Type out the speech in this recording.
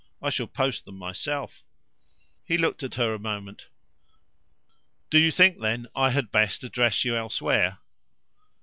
I shall post them myself." He looked at her a moment. "Do you think then I had best address you elsewhere?"